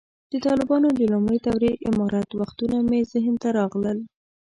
د طالبانو د لومړۍ دورې امارت وختونه مې ذهن ته راغلل.